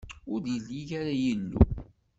Ur yelli ara yillu.